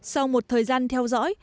sau một thời gian theo dõi